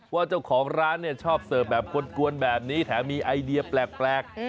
ว่าเจ้าของร้านเนี่ยชอบเสิร์ฟแบบกวนแบบนี้แถมมีไอเดียแปลก